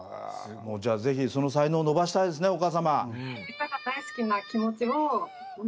じゃあぜひその才能を伸ばしたいですねお母様。